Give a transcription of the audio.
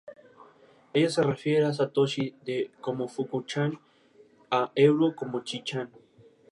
Ella se refiere a Satoshi como "Fuku-chan" y a Eru como "Chi-chan".